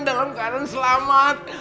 dalam keadaan selamat